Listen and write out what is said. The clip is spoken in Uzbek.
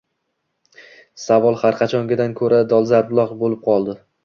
savol har qachongidan ko‘ra dolzarbroq bo‘lib qoldi.